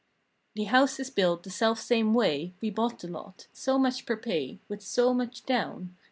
The house is built the self same way We bought the lot—so much per pay, With so much down.